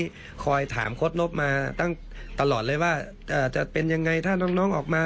อย่างนี้คอยถามโค้ชเรานป์มาตลอดเลยว่าจะเป็นยังไงถ้าน้องออกมา